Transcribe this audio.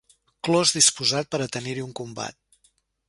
Clos disposat per a tenir-hi un combat.